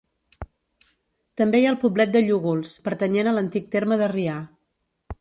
També hi ha el poblet de Llúgols, pertanyent a l'antic terme de Rià.